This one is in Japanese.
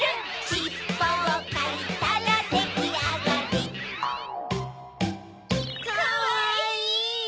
しっぽをかいたらできあがりかわいい！